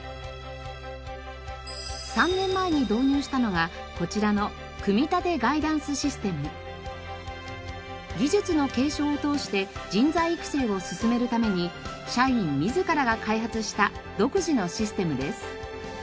３年前に導入したのがこちらの技術の継承を通して人材育成を進めるために社員自らが開発した独自のシステムです。